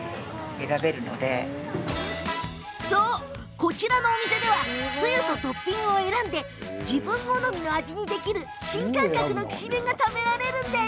こちらのお店ではつゆとトッピングを選んで自分好みの味にできる新感覚のきしめんが食べられるんです。